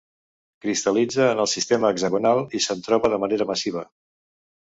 Cristal·litza en el sistema hexagonal, i se'n troba de manera massiva.